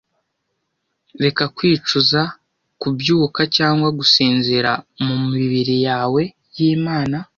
reka kwicuza kubyuka cyangwa gusinzira mumibiri yawe yimana